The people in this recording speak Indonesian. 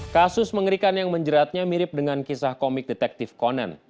kasus mengerikan yang menjeratnya mirip dengan kisah komik detektif konon